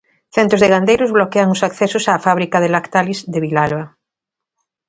Centos de gandeiros bloquean os accesos á fábrica de Lactalis de Vilalba.